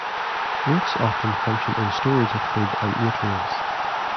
Roots often function in storage of food and nutrients.